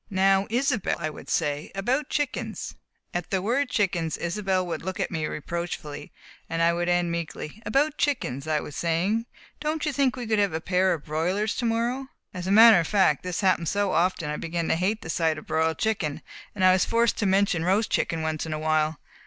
"Now, Isobel," I would say, "about chickens " At the word "chickens" Isobel would look at me reproachfully, and I would end meekly: "About chickens, as I was saying. Don't you think we could have a pair of broilers to morrow?" As a matter of fact, this happened so often that I began to hate the sight of a broiled chicken, and was forced to mention roast chicken once in a while.